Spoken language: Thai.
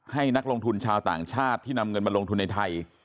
ให้นักลงทุนชาวต่างชาติที่นำเงินมาลงทุนในไทย